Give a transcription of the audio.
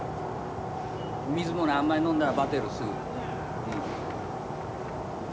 水もなあんまり飲んだらバテるすぐ。